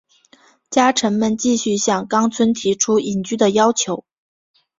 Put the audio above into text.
家臣们继续向纲村提出隐居的要求。